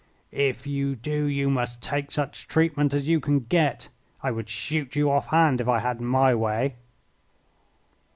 "If you do you must take such treatment as you can get. I would shoot you off hand if I had my way."